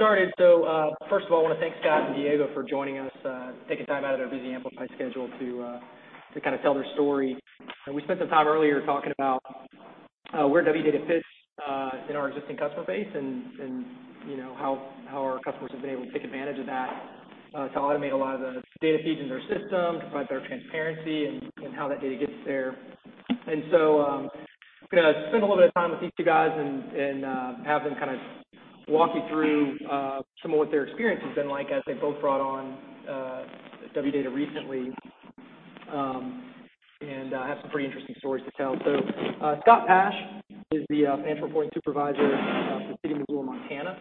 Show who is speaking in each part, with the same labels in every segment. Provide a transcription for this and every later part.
Speaker 1: We'll get started. First of all, I want to thank Scott and Diego for joining us, taking time out of their busy Amplify schedule to tell their story. We spent some time earlier talking about where Wdata fits in our existing customer base and how our customers have been able to take advantage of that to automate a lot of the data feeds in their system, to provide better transparency and how that data gets there. I'm going to spend a little bit of time with these two guys and have them walk you through some of what their experience has been like as they both brought on Wdata recently, and have some pretty interesting stories to tell. Scott Pasch is the financial reporting supervisor for the City of Missoula, Montana,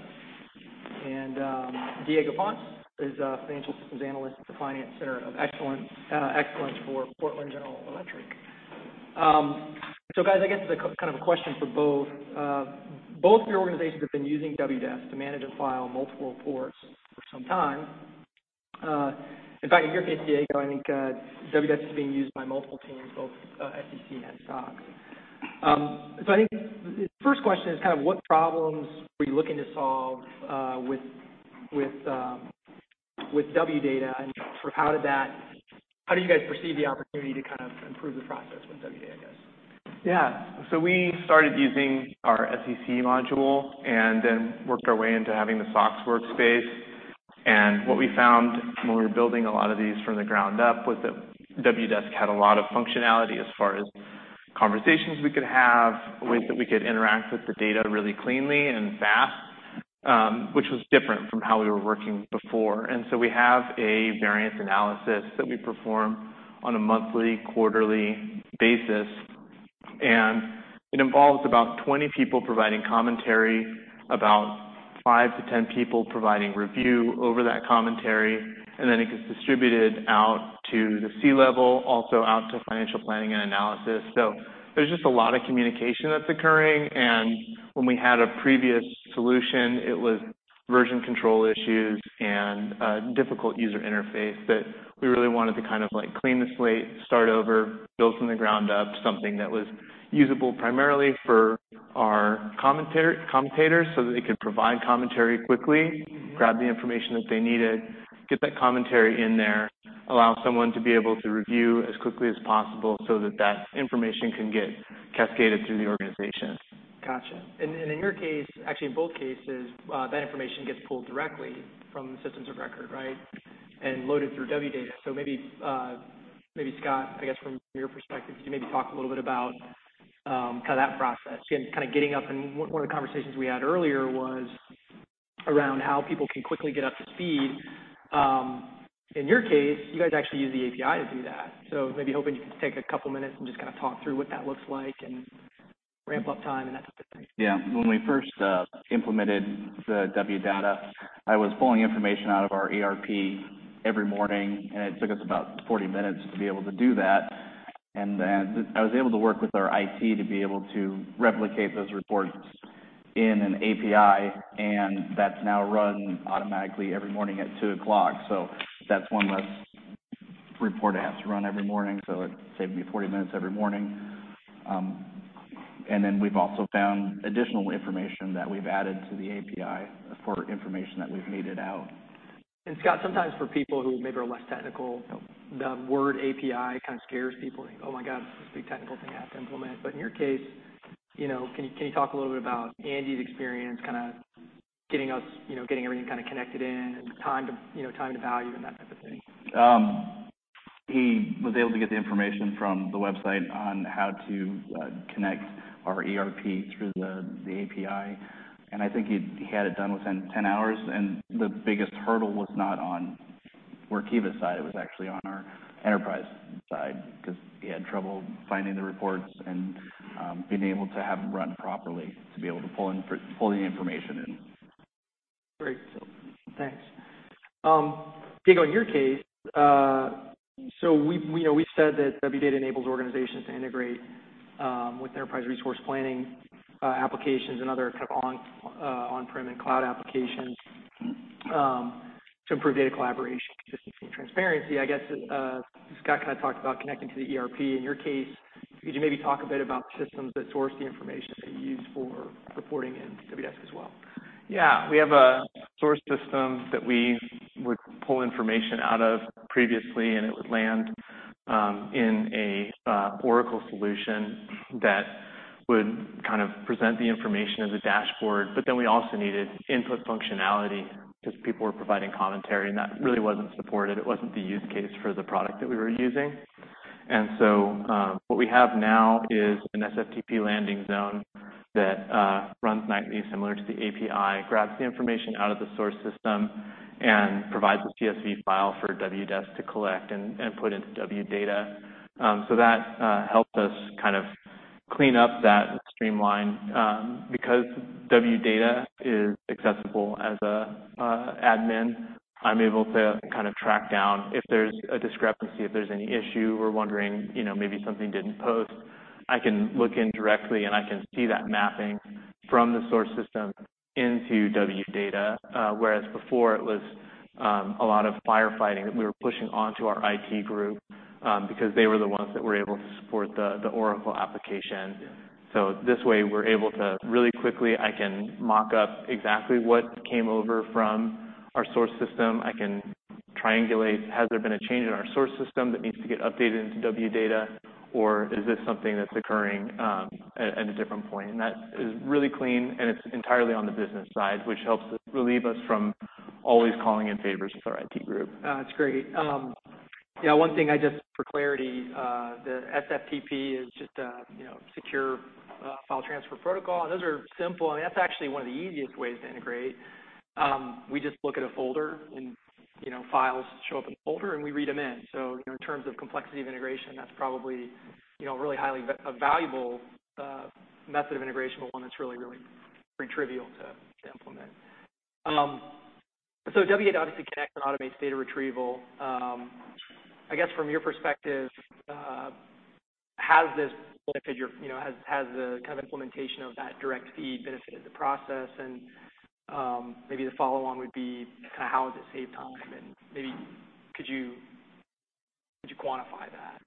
Speaker 1: and Diego Pons is a financial systems analyst at the Finance Center of Excellence for Portland General Electric. Guys, I guess as kind of a question for both of your organizations have been using Wdesk to manage and file multiple reports for some time. In fact, in your case, Diego, I think Wdesk is being used by multiple teams, both SEC and SOX. I think the first question is what problems were you looking to solve with Wdata, and how do you guys perceive the opportunity to improve the process with Wdata, I guess?
Speaker 2: Yeah. We started using our SEC module and then worked our way into having the SOX workspace. What we found when we were building a lot of these from the ground up was that Wdesk had a lot of functionality as far as conversations we could have, ways that we could interact with the data really cleanly and fast, which was different from how we were working before. We have a variance analysis that we perform on a monthly, quarterly basis, and it involves about 20 people providing commentary, about 5 to 10 people providing review over that commentary, and then it gets distributed out to the C-level, also out to financial planning and analysis. There's just a lot of communication that's occurring, and when we had a previous solution, it was version control issues and a difficult user interface that we really wanted to clean the slate, start over, build from the ground up something that was usable primarily for our commentators so that they could provide commentary quickly, grab the information that they needed, get that commentary in there, allow someone to be able to review as quickly as possible so that that information can get cascaded through the organization.
Speaker 1: Got you. In your case, actually in both cases, that information gets pulled directly from systems of record, right? Loaded through Wdata. Maybe Scott, I guess from your perspective, can you maybe talk a little bit about that process? Again, kind of getting up. One of the conversations we had earlier was around how people can quickly get up to speed. In your case, you guys actually use the API to do that. Maybe hoping you could take a couple of minutes and just talk through what that looks like and ramp-up time and that type of thing.
Speaker 3: When we first implemented the Wdata, I was pulling information out of our ERP every morning, and it took us about 40 minutes to be able to do that. Then I was able to work with our IT to be able to replicate those reports in an API, and that's now run automatically every morning at 2:00 A.M. That's one less report I have to run every morning, so it saved me 40 minutes every morning. Then we've also found additional information that we've added to the API for information that we've needed out.
Speaker 1: Scott, sometimes for people who maybe are less technical, the word API kind of scares people. They think, "Oh my God, this big technical thing I have to implement." In your case, can you talk a little bit about Andy's experience kind of getting everything connected in and time to value and that type of thing?
Speaker 3: He was able to get the information from the website on how to connect our ERP through the API. I think he had it done within 10 hours, and the biggest hurdle was not on Workiva's side. It was actually on our enterprise side, because he had trouble finding the reports and being able to have them run properly to be able to pull the information in.
Speaker 1: Great. Thanks. Diego, in your case, we said that Wdata enables organizations to integrate with enterprise resource planning applications and other kind of on-prem and cloud applications to improve data collaboration, consistency, and transparency. I guess Scott kind of talked about connecting to the ERP. In your case, could you maybe talk a bit about systems that source the information that you use for reporting in Wdesk as well?
Speaker 2: Yeah. We have a source system that we would pull information out of previously. It would land in an Oracle solution that would kind of present the information as a dashboard. We also needed input functionality because people were providing commentary. That really wasn't supported. It wasn't the use case for the product that we were using. What we have now is an SFTP landing zone that runs nightly, similar to the API. It grabs the information out of the source system and provides a CSV file for Wdesk to collect and put into WData. That helped us kind of clean up that streamline. Because WData is accessible as an admin, I'm able to kind of track down if there's a discrepancy, if there's any issue. We're wondering, maybe something didn't post. I can look in directly, and I can see that mapping from the source system into Wdata. Whereas before it was a lot of firefighting that we were pushing onto our IT group, because they were the ones that were able to support the Oracle application.
Speaker 1: Yeah.
Speaker 2: This way, we're able to really quickly, I can mock up exactly what came over from our source system. I can triangulate, has there been a change in our source system that needs to get updated into Wdata, or is this something that's occurring at a different point? That is really clean, and it's entirely on the business side, which helps relieve us from always calling in favors with our IT group.
Speaker 1: That's great. Yeah, one thing just for clarity, the SFTP is just a secure file transfer protocol. Those are simple, and that's actually one of the easiest ways to integrate. We just look at a folder, and files show up in the folder and we read them in. In terms of complexity of integration, that's probably really highly a valuable method of integration, but one that's really pretty trivial to implement. Wdata obviously connects and automates data retrieval. I guess from your perspective, has the implementation of that direct feed benefited the process? Maybe the follow on would be kind of how has it saved time, and maybe could you quantify that?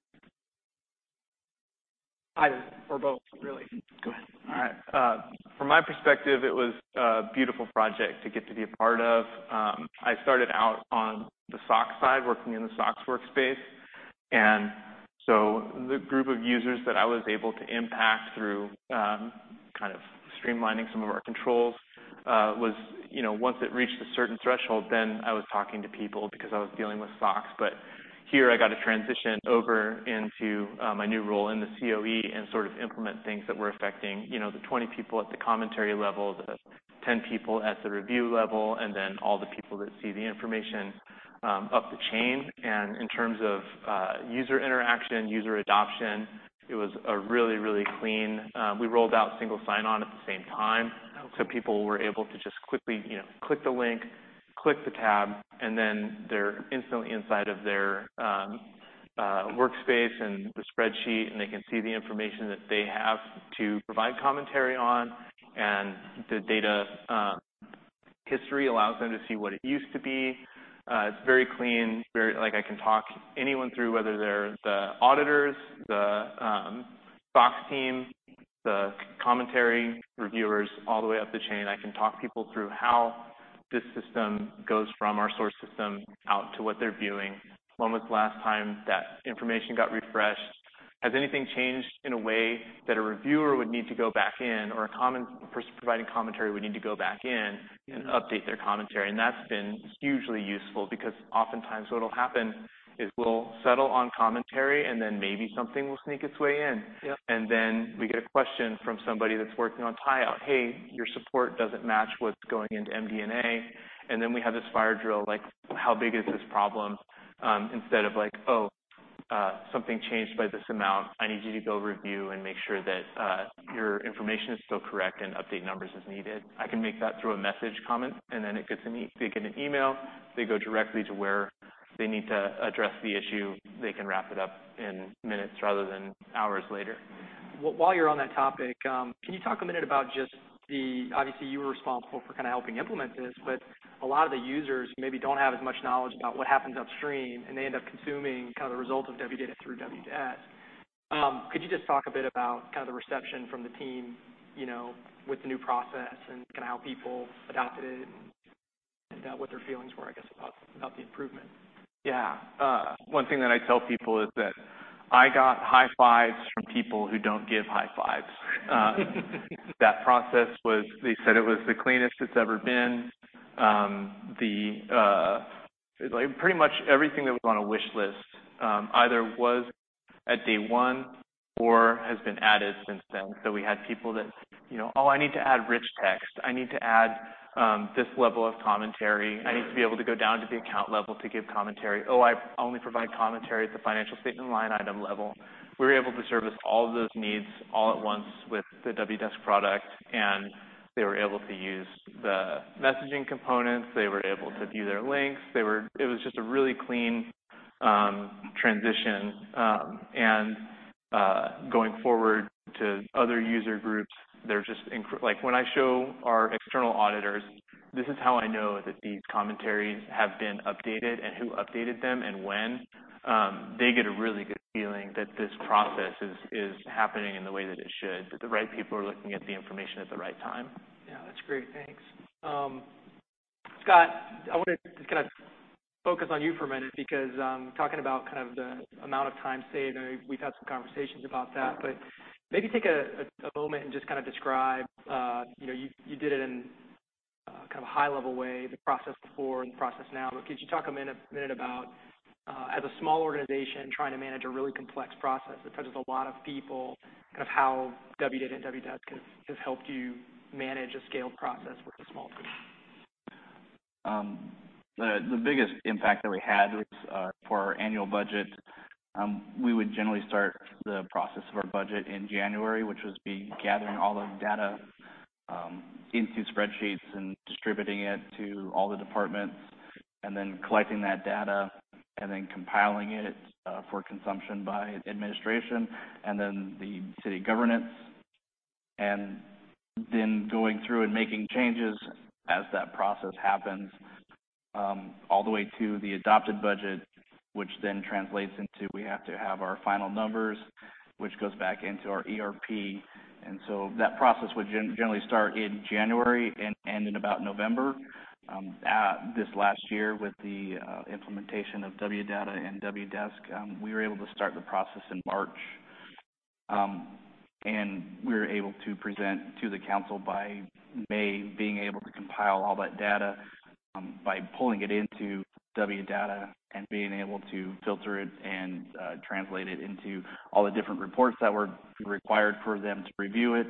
Speaker 1: Either or both, really. Go ahead.
Speaker 2: All right. From my perspective, it was a beautiful project to get to be a part of. I started out on the SOX side, working in the SOX workspace. The group of users that I was able to impact through kind of streamlining some of our controls was once it reached a certain threshold, then I was talking to people because I was dealing with SOX. Here, I got to transition over into my new role in the COE and sort of implement things that were affecting the 20 people at the commentary level, the 10 people at the review level, and then all the people that see the information up the chain. In terms of user interaction, user adoption, it was really, really clean. We rolled out single sign-on at the same time, so people were able to just quickly click the link, click the tab, and then they're instantly inside of their workspace and the spreadsheet, and they can see the information that they have to provide commentary on. The data history allows them to see what it used to be. It's very clean. I can talk anyone through, whether they're the auditors, the SOX team, the commentary reviewers, all the way up the chain. I can talk people through how this system goes from our source system out to what they're viewing. When was the last time that information got refreshed? Has anything changed in a way that a reviewer would need to go back in, or a person providing commentary would need to go back in and update their commentary? That's been hugely useful because oftentimes what'll happen is we'll settle on commentary and then maybe something will sneak its way in.
Speaker 1: Yep.
Speaker 2: We get a question from somebody that's working on tie-out, "Hey, your support doesn't match what's going into MD&A." We have this fire drill, like, how big is this problem? Instead of like, "Oh, something changed by this amount. I need you to go review and make sure that your information is still correct and update numbers as needed." I can make that through a message comment, and then it gets to me. They get an email. They go directly to where they need to address the issue. They can wrap it up in minutes rather than hours later.
Speaker 1: While you're on that topic, can you talk a minute about just the Obviously, you were responsible for kind of helping implement this, but a lot of the users maybe don't have as much knowledge about what happens upstream, and they end up consuming the result of Wdata through Wdesk. Could you just talk a bit about the reception from the team with the new process and how people adopted it, and what their feelings were, I guess, about the improvement?
Speaker 2: Yeah. One thing that I tell people is that I got high fives from people who don't give high fives. That process was, they said it was the cleanest it's ever been. Pretty much everything that was on a wish list either was at day one or has been added since then. We had people that, "Oh, I need to add rich text. I need to add this level of commentary. I need to be able to go down to the account level to give commentary. Oh, I only provide commentary at the financial statement line item level." We were able to service all of those needs all at once with the Wdesk product, and they were able to use the messaging components. They were able to view their links. It was just a really clean transition. Going forward to other user groups, when I show our external auditors, "This is how I know that these commentaries have been updated and who updated them and when," they get a really good feeling that this process is happening in the way that it should, that the right people are looking at the information at the right time.
Speaker 1: Yeah. That's great. Thanks. Scott, I want to just kind of focus on you for a minute because talking about kind of the amount of time saved, I know we've had some conversations about that, but maybe take a moment and just kind of describe, you did it in kind of a high level way, the process before and the process now. Could you talk a minute about, as a small organization trying to manage a really complex process that touches a lot of people, kind of how Wdata and Wdesk has helped you manage a scaled process with a small team?
Speaker 3: The biggest impact that we had was for our annual budget. We would generally start the process of our budget in January, which would be gathering all the data into spreadsheets and distributing it to all the departments, and then collecting that data and then compiling it for consumption by administration and then the city governance. Going through and making changes as that process happens, all the way to the adopted budget. Which then translates into we have to have our final numbers, which goes back into our ERP. That process would generally start in January and end in about November. This last year with the implementation of Wdata and Wdesk, we were able to start the process in March. We were able to present to the council by May, being able to compile all that data by pulling it into Wdata and being able to filter it and translate it into all the different reports that were required for them to review it.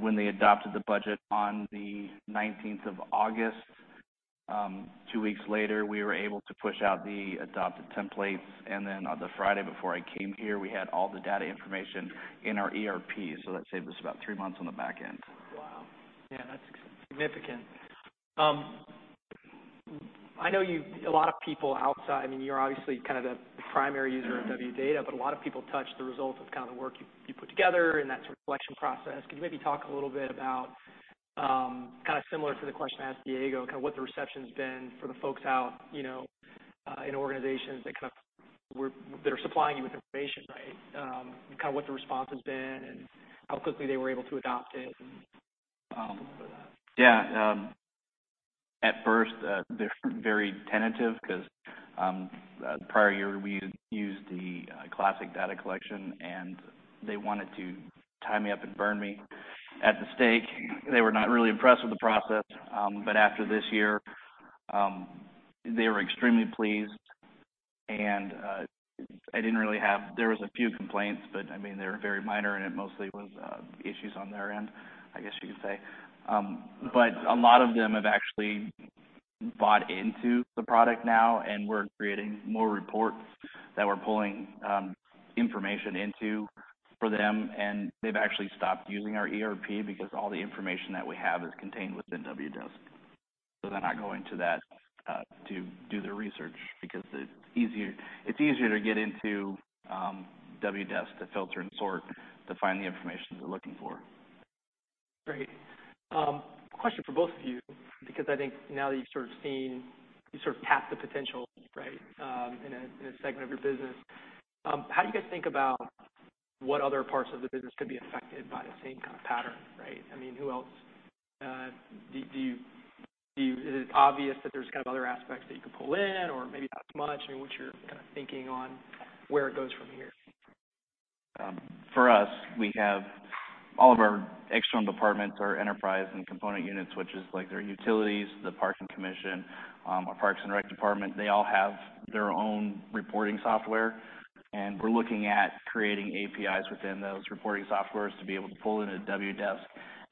Speaker 3: When they adopted the budget on the 19th of August, two weeks later, we were able to push out the adopted templates. On the Friday before I came here, we had all the data information in our ERP. That saved us about three months on the back end.
Speaker 1: Wow. Yeah, that's significant. I know a lot of people outside. You're obviously the primary user of Wdata, but a lot of people touch the result of the work you put together and that sort of collection process. Could you maybe talk a little bit about, kind of similar to the question I asked Diego, what the reception's been for the folks out in organizations that are supplying you with information, right? Kind of what the response has been and how quickly they were able to adopt it and a little bit of that.
Speaker 3: Yeah. At first, they're very tentative because the prior year we used the classic data collection, and they wanted to tie me up and burn me at the stake. They were not really impressed with the process. After this year, they were extremely pleased. There was a few complaints, but they were very minor, and it mostly was issues on their end, I guess you could say. A lot of them have actually bought into the product now, and we're creating more reports that we're pulling information into for them, and they've actually stopped using our ERP because all the information that we have is contained within Wdesk. They're not going to that to do their research because it's easier to get into Wdesk to filter and sort to find the information they're looking for.
Speaker 1: Great. Question for both of you, because I think now that you've sort of seen, you sort of tapped the potential, right, in a segment of your business. How do you guys think about what other parts of the business could be affected by the same kind of pattern, right? I mean, who else? Is it obvious that there's kind of other aspects that you could pull in, or maybe not as much? I mean, what's your kind of thinking on where it goes from here?
Speaker 3: For us, we have all of our external departments, our enterprise and component units, which is like their utilities, the Parking Commission, our Parks and Rec Department. They all have their own reporting software. We're looking at creating APIs within those reporting softwares to be able to pull into Wdesk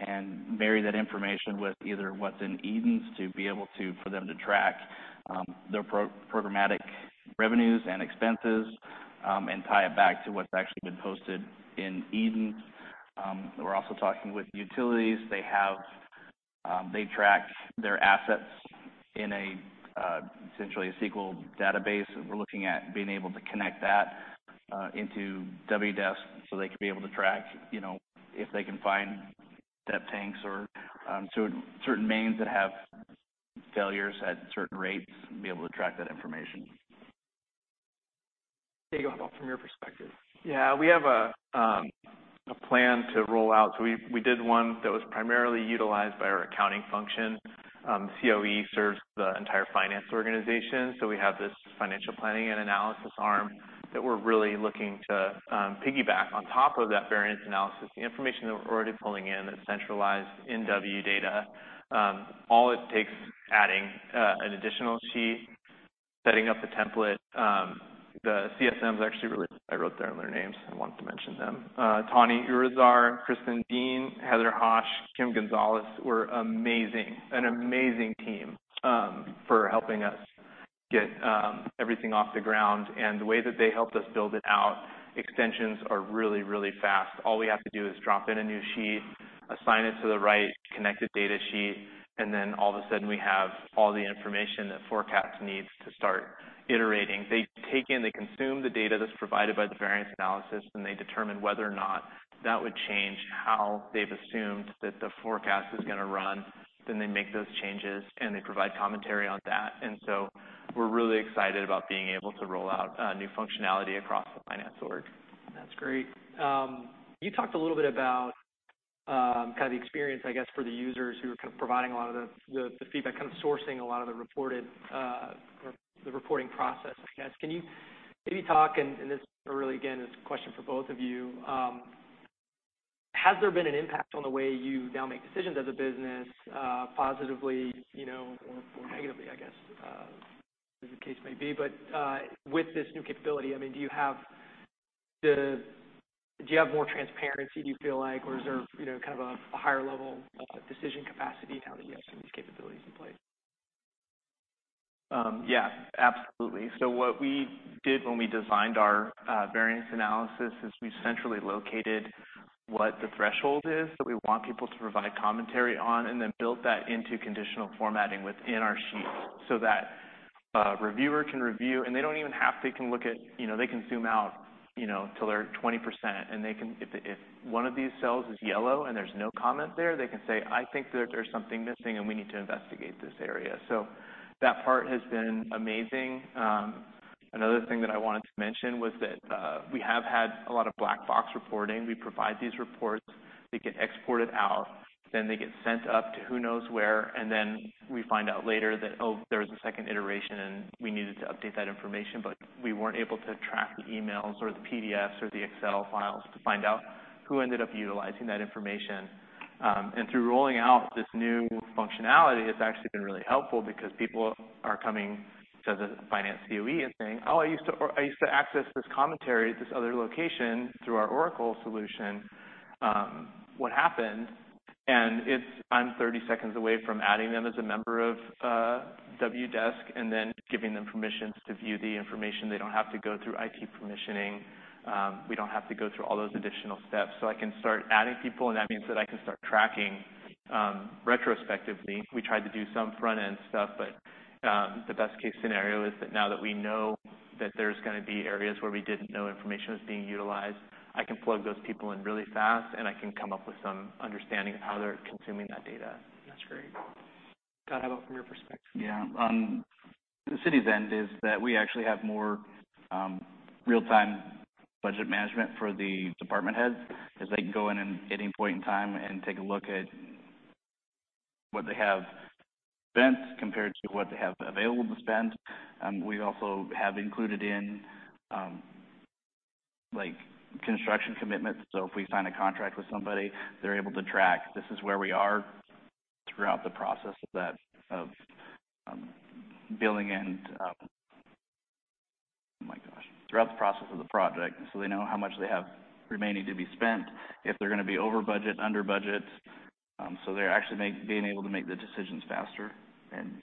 Speaker 3: and marry that information with either what's in Eden to be able for them to track their programmatic revenues and expenses, and tie it back to what's actually been posted in Eden. We're also talking with utilities. They track their assets in essentially a SQL database. We're looking at being able to connect that into Wdesk so they can be able to track if they can find depth tanks or certain mains that have failures at certain rates and be able to track that information.
Speaker 1: Diego, how about from your perspective?
Speaker 2: Yeah, we have a plan to roll out. we did one that was primarily utilized by our accounting function. COE serves the entire finance organization. we have this financial planning and analysis arm that we're really looking to piggyback on top of that variance analysis. The information that we're already pulling in that's centralized in Wdata. All it takes adding an additional sheet, setting up the template. The CSMs I wrote down their names. I wanted to mention them. Tawny Urrizaga, Kristin Dean, Heather Hosch, Kim Gonzalez were amazing. An amazing team for helping us get everything off the ground. the way that they helped us build it out, extensions are really, really fast. All we have to do is drop in a new sheet, assign it to the right connected data sheet, and then all of a sudden we have all the information that Forecast needs to start iterating. They take in, they consume the data that's provided by the variance analysis, and they determine whether or not that would change how they've assumed that the forecast is going to run. They make those changes, and they provide commentary on that. We're really excited about being able to roll out new functionality across the finance org.
Speaker 1: That's great. You talked a little bit about kind of the experience, I guess, for the users who are providing a lot of the feedback, kind of sourcing a lot of the reporting process, I guess. Can you maybe talk, and this really, again, is a question for both of you. Has there been an impact on the way you now make decisions as a business, positively or negatively, I guess, as the case may be. With this new capability, do you have more transparency, do you feel like? is there kind of a higher level of decision capacity now that you have some of these capabilities in place?
Speaker 2: Yeah, absolutely. What we did when we designed our variance analysis is we centrally located what the threshold is that we want people to provide commentary on, and then built that into conditional formatting within our sheets so that a reviewer can review. They can zoom out to their 20%, and if one of these cells is yellow and there's no comment there, they can say, "I think that there's something missing, and we need to investigate this area." That part has been amazing. Another thing that I wanted to mention was that we have had a lot of black box reporting. We provide these reports, they get exported out, then they get sent up to who knows where, and then we find out later that, oh, there was a second iteration, and we needed to update that information, but we weren't able to track the emails or the PDFs or the Excel files to find out who ended up utilizing that information. Through rolling out this new functionality, it's actually been really helpful because people are coming to the finance COE and saying, "Oh, I used to access this commentary at this other location through our Oracle solution. What happened?" I'm 30 seconds away from adding them as a member of Wdesk and then giving them permissions to view the information. They don't have to go through IT permissioning. We don't have to go through all those additional steps. I can start adding people, and that means that I can start tracking. Retrospectively, we tried to do some front-end stuff, but the best-case scenario is that now that we know that there's going to be areas where we didn't know information was being utilized, I can plug those people in really fast, and I can come up with some understanding of how they're consuming that data.
Speaker 1: That's great. Scott, how about from your perspective?
Speaker 3: Yeah. The city's end is that we actually have more real-time budget management for the department heads, as they can go in at any point in time and take a look at what they have spent compared to what they have available to spend. We also have included in construction commitments, so if we sign a contract with somebody, they're able to track, "This is where we are throughout the process of billing and" Oh, my gosh. Throughout the process of the project, so they know how much they have remaining to be spent, if they're going to be over budget, under budget. they're actually being able to make the decisions faster and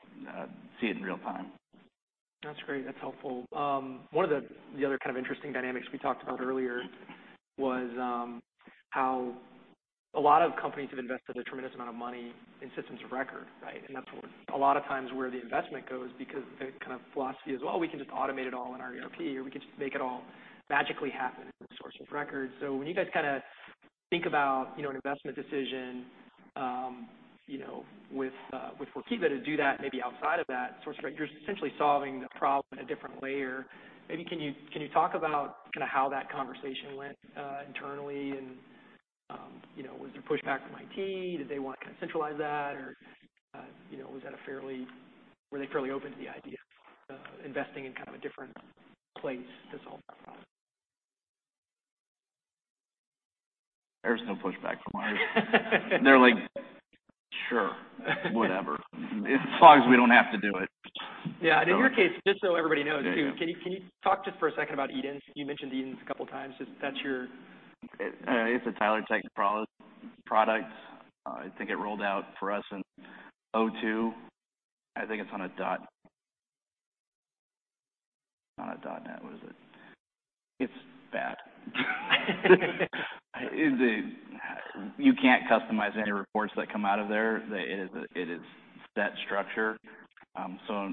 Speaker 3: see it in real-time.
Speaker 1: That's great. That's helpful. One of the other kind of interesting dynamics we talked about earlier was how a lot of companies have invested a tremendous amount of money in systems of record, right? That's a lot of times where the investment goes because the kind of philosophy is, "Well, we can just automate it all in our ERP, or we can just make it all magically happen in source of record." When you guys think about an investment decision with Workiva to do that maybe outside of that source of record, you're essentially solving the problem in a different layer. Maybe can you talk about how that conversation went internally, and was there pushback from IT? Did they want to centralize that, or were they fairly open to the idea of investing in kind of a different place to solve that problem?
Speaker 3: There was no pushback from ours. They're like, "Sure, whatever. As long as we don't have to do it.
Speaker 1: Yeah. In your case, just so everybody knows too, can you talk just for a second about Eden? You mentioned Eden a couple of times. That's your-
Speaker 3: It's a Tyler Technologies product. I think it rolled out for us in 2002. I think it's on a dot net, not a .NET. What is it? It's bad. You can't customize any reports that come out of there. It is that structure.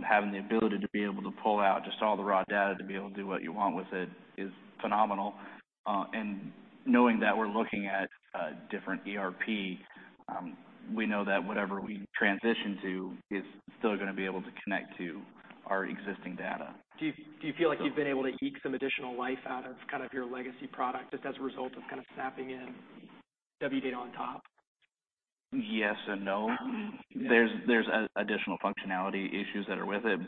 Speaker 3: Having the ability to be able to pull out just all the raw data to be able to do what you want with it is phenomenal. Knowing that we're looking at a different ERP, we know that whatever we transition to is still going to be able to connect to our existing data.
Speaker 1: Do you feel like you've been able to eke some additional life out of your legacy product, just as a result of snapping in Wdata on top?
Speaker 3: Yes and no.
Speaker 1: Yeah.
Speaker 3: There's additional functionality issues that are with it.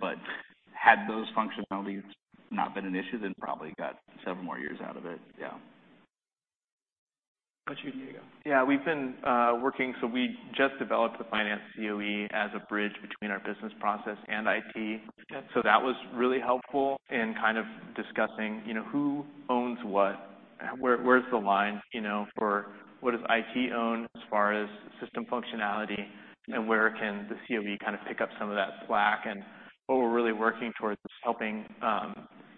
Speaker 3: Had those functionalities not been an issue, then probably got several more years out of it, yeah.
Speaker 1: How about you, Diego?
Speaker 2: Yeah, we've been working we just developed the finance COE as a bridge between our business process and IT.
Speaker 1: Okay.
Speaker 2: That was really helpful in kind of discussing who owns what. Where's the line for what does IT own as far as system functionality, and where can the COE pick up some of that slack? What we're really working towards is helping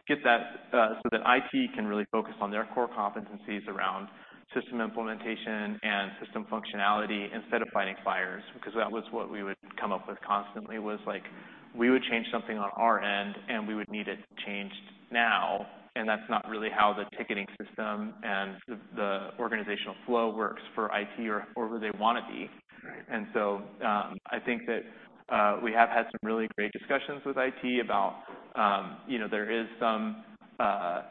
Speaker 2: get that so that IT can really focus on their core competencies around system implementation and system functionality instead of fighting fires, because that was what we would come up with constantly was like, we would change something on our end, and we would need it changed now, and that's not really how the ticketing system and the organizational flow works for IT or where they want to be.
Speaker 1: Right.
Speaker 2: I think that we have had some really great discussions with IT about there is some gatekeeping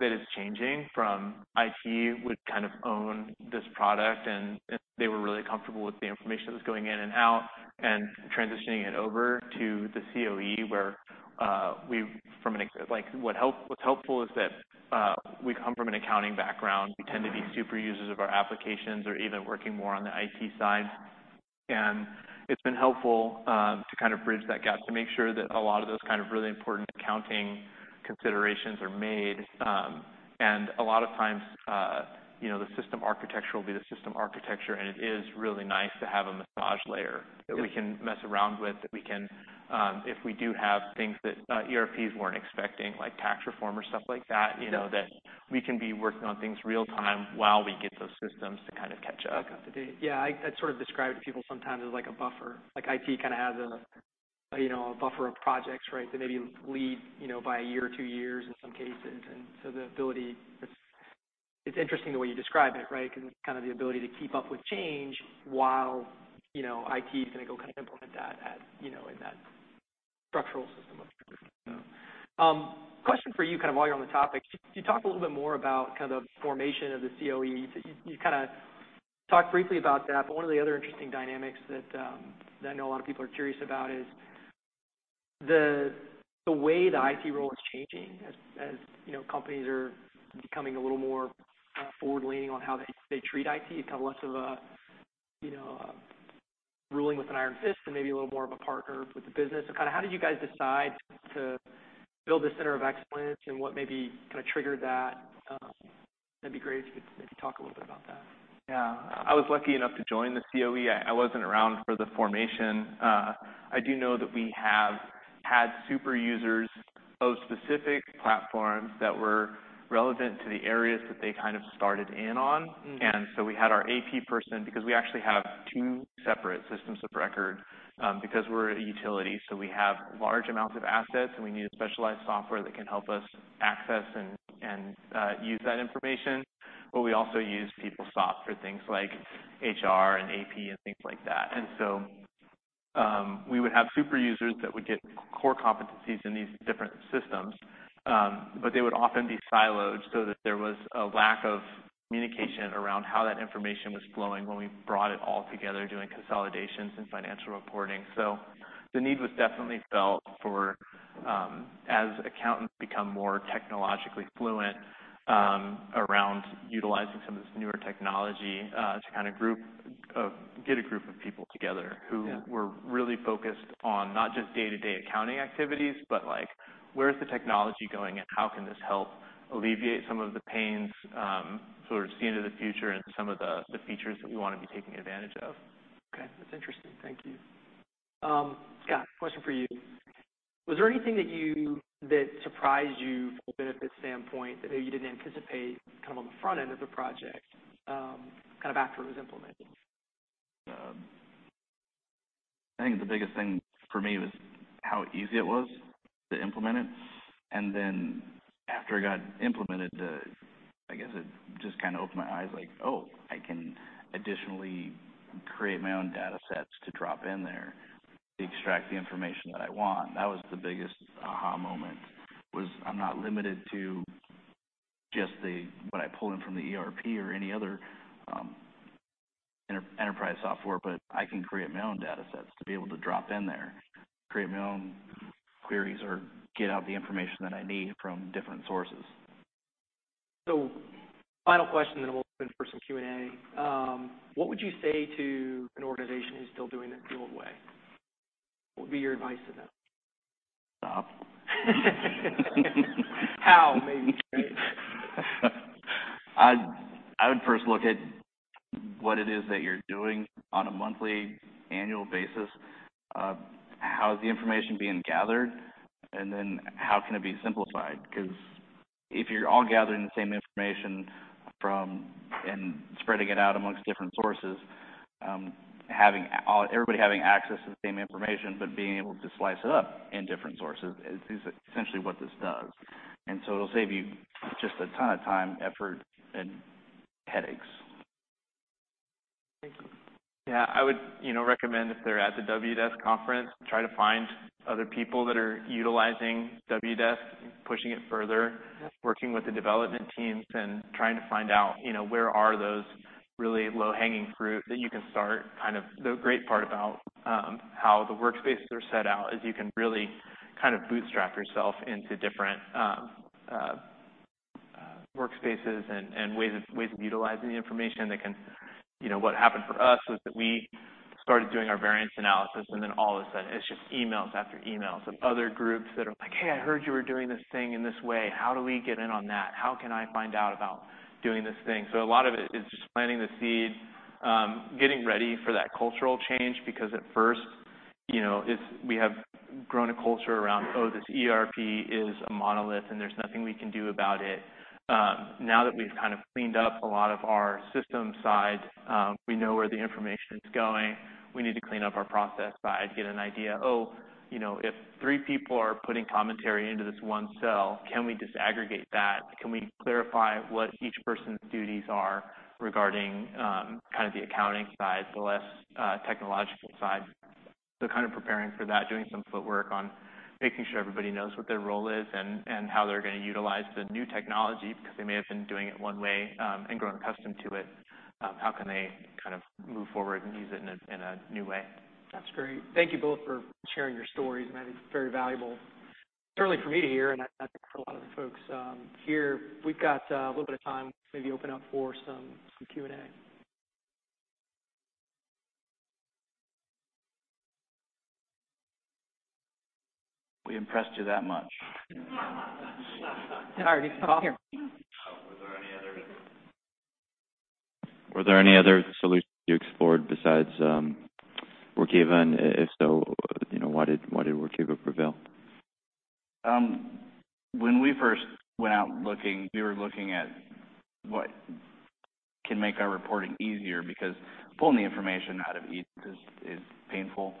Speaker 2: that is changing from IT would kind of own this product, and they were really comfortable with the information that was going in and out and transitioning it over to the COE, where we've. What's helpful is that we come from an accounting background. We tend to be super users of our applications or even working more on the IT side. It's been helpful to kind of bridge that gap to make sure that a lot of those kind of really important accounting considerations are made. A lot of times the system architecture will be the system architecture, and it is really nice to have a massage layer.
Speaker 1: Yeah
Speaker 2: that we can mess around with, if we do have things that ERPs weren't expecting, like tax reform or stuff like that.
Speaker 1: Yeah
Speaker 2: That we can be working on things real time while we get those systems to kind of catch up.
Speaker 1: Up to date. Yeah. I sort of describe it to people sometimes as like a buffer. Like IT kind of has a buffer of projects, right? That maybe led by a year or two years in some cases. the ability, It's interesting the way you describe it, right? Because it's kind of the ability to keep up with change while IT is going to go implement that in that structural system of.
Speaker 2: Yeah.
Speaker 1: Question for you while you're on the topic. Could you talk a little bit more about the formation of the COE? You talked briefly about that, but one of the other interesting dynamics that I know a lot of people are curious about is the way the IT role is changing as companies are becoming a little more forward-leaning on how they treat IT, kind of less of a ruling with an iron fist and maybe a little more of a partner with the business. How did you guys decide to build the center of excellence and what maybe kind of triggered that? That'd be great if you could maybe talk a little bit about that.
Speaker 2: Yeah. I was lucky enough to join the COE. I wasn't around for the formation. I do know that we have had super users of specific platforms that were relevant to the areas that they kind of started in on. we had our AP person, because we actually have two separate systems of record because we're a utility, so we have large amounts of assets, and we need a specialized software that can help us access and use that information, but we also use PeopleSoft for things like HR and AP and things like that. we would have super users that would get core competencies in these different systems. they would often be siloed so that there was a lack of communication around how that information was flowing when we brought it all together doing consolidations and financial reporting. the need was definitely felt as accountants become more technologically fluent around utilizing some of this newer technology to get a group of people together who-
Speaker 1: Yeah
Speaker 2: were really focused on not just day-to-day accounting activities, but where is the technology going, and how can this help alleviate some of the pains, sort of see into the future into some of the features that we want to be taking advantage of.
Speaker 1: Okay. That's interesting. Thank you. Scott, question for you. Was there anything that surprised you from a benefit standpoint that maybe you didn't anticipate on the front end of the project, after it was implemented?
Speaker 3: I think the biggest thing for me was how easy it was to implement it. After it got implemented, I guess it just kind of opened my eyes, like, "Oh, I can additionally create my own data sets to drop in there to extract the information that I want." That was the biggest aha moment, was I'm not limited to just what I pull in from the ERP or any other enterprise software, but I can create my own data sets to be able to drop in there, create my own queries, or get out the information that I need from different sources.
Speaker 1: Final question, then we'll open for some Q&A. What would you say to an organization who's still doing it the old way? What would be your advice to them?
Speaker 3: Stop.
Speaker 1: How, maybe, right?
Speaker 3: I would first look at what it is that you're doing on a monthly, annual basis. How is the information being gathered, and then how can it be simplified? Because if you're all gathering the same information and spreading it out amongst different sources, everybody having access to the same information, but being able to slice it up in different sources, is essentially what this does. It'll save you just a ton of time, effort, and headaches.
Speaker 1: Thank you.
Speaker 2: Yeah. I would recommend if they're at the Wdesk conference, try to find other people that are utilizing Wdesk and pushing it further-
Speaker 1: Yeah
Speaker 2: working with the development teams and trying to find out where are those really low-hanging fruit that you can start. The great part about how the workspaces are set out is you can really kind of bootstrap yourself into different workspaces and ways of utilizing the information. What happened for us was that we started doing our variance analysis, and then all of a sudden it's just emails after emails of other groups that are like, "Hey, I heard you were doing this thing in this way. How do we get in on that? How can I find out about doing this thing?" A lot of it is just planting the seed, getting ready for that cultural change, because at first, we have grown a culture around, "Oh, this ERP is a monolith, and there's nothing we can do about it." Now that we've kind of cleaned up a lot of our system side, we know where the information's going. We need to clean up our process side, get an idea, "Oh, if three people are putting commentary into this one cell, can we disaggregate that? Can we clarify what each person's duties are regarding the accounting side, the less technological side?" kind of preparing for that, doing some footwork on making sure everybody knows what their role is and how they're going to utilize the new technology, because they may have been doing it one way and grown accustomed to it. How can they move forward and use it in a new way?
Speaker 1: That's great. Thank you both for sharing your stories. I think it's very valuable certainly for me to hear, and I think for a lot of the folks here. We've got a little bit of time, maybe open up for some Q&A.
Speaker 3: We impressed you that much.
Speaker 1: Sorry to cut off here.
Speaker 4: Oh, were there any other solutions you explored besides Workiva, and if so, why did Workiva prevail?
Speaker 3: When we first went out looking, we were looking at what can make our reporting easier because pulling the information out of Ease is painful.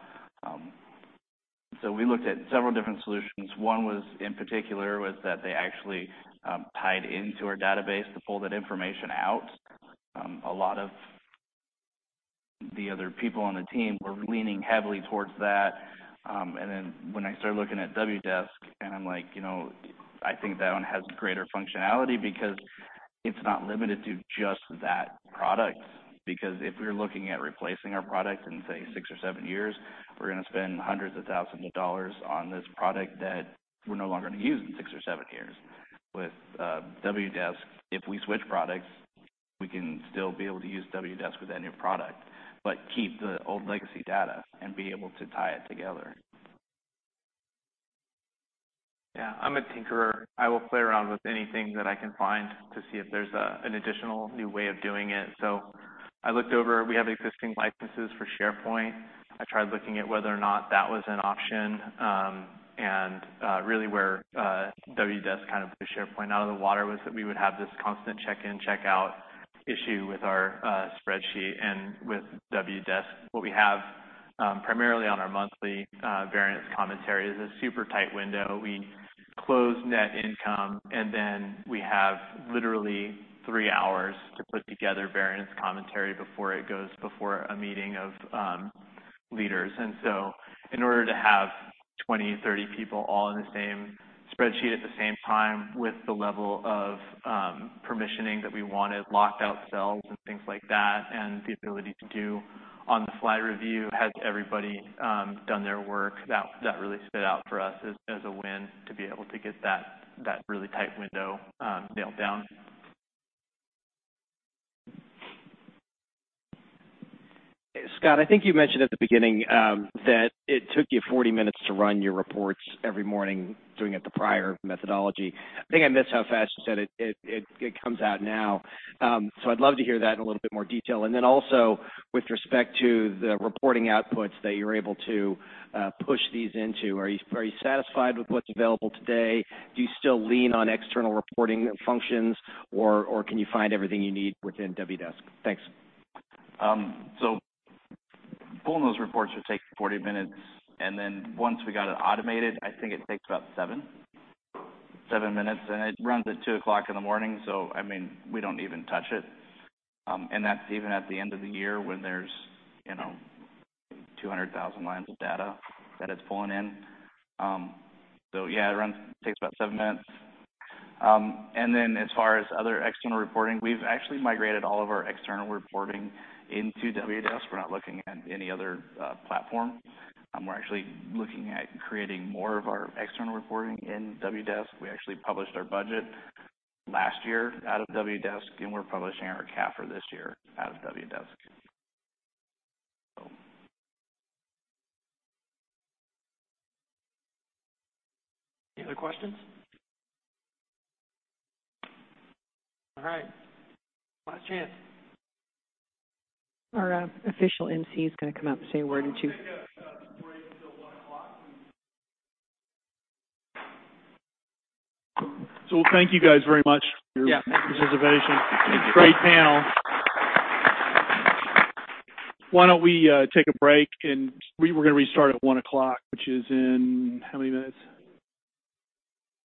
Speaker 3: We looked at several different solutions. One was, in particular, was that they actually tied into our database to pull that information out. A lot of the other people on the team were leaning heavily towards that. When I started looking at Wdesk and I'm like, "I think that one has greater functionality because it's not limited to just that product." Because if we're looking at replacing our product in, say, six or seven years, we're going to spend hundreds of thousands of dollars on this product that we're no longer going to use in six or seven years. With Wdesk, if we switch products, we can still be able to use Wdesk with that new product, but keep the old legacy data and be able to tie it together.
Speaker 2: Yeah. I'm a tinkerer. I will play around with anything that I can find to see if there's an additional new way of doing it. I looked over, we have existing licenses for SharePoint. I tried looking at whether or not that was an option, and really where Wdesk kind of put SharePoint out of the water was that we would have this constant check-in, checkout issue with our spreadsheet. With Wdesk, what we have primarily on our monthly variance commentary is a super tight window. We close net income, and then we have literally three hours to put together variance commentary before it goes before a meeting of leaders. In order to have 20, 30 people all in the same spreadsheet at the same time with the level of permissioning that we wanted, locked out cells and things like that, and the ability to do on-the-fly review, has everybody done their work, that really stood out for us as a win to be able to get that really tight window nailed down.
Speaker 4: Scott, I think you mentioned at the beginning that it took you 40 minutes to run your reports every morning doing it the prior methodology. I think I missed how fast you said it comes out now. I'd love to hear that in a little bit more detail. With respect to the reporting outputs that you're able to push these into, are you satisfied with what's available today? Do you still lean on external reporting functions, or can you find everything you need within Wdesk? Thanks.
Speaker 3: Pulling those reports would take 40 minutes, and then once we got it automated, I think it takes about seven minutes, and it runs at 2:00 A.M., so we don't even touch it. That's even at the end of the year when there's 200,000 lines of data that it's pulling in. Yeah, it takes about seven minutes. As far as other external reporting, we've actually migrated all of our external reporting into Wdesk. We're not looking at any other platform. We're actually looking at creating more of our external reporting in Wdesk. We actually published our budget last year out of Wdesk, and we're publishing our CAFR this year out of Wdesk.
Speaker 5: Any other questions? All right, last chance.
Speaker 4: Our official emcee is going to come up and say a word or two.
Speaker 5: I think we'll break up this morning till one o'clock. Thank you guys very much for your participation. Great panel. Why don't we take a break, and we were going to restart at one o'clock, which is in how many minutes?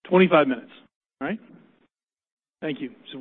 Speaker 5: 25 minutes. All right. Thank you. we'll